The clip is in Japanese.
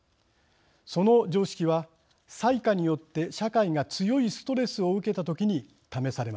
その常識は災禍によって社会が強いストレスを受けた時に試されます。